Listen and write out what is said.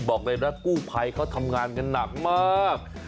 บอกเลยนะกู้ภัยเขาทำงานกันหนักมาก